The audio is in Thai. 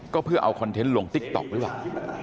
ก็เพื่อเอาคอนเทนต์ลงติ๊กต๊อกหรือเปล่า